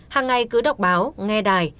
hàng ngày cứ đọc báo nghe đài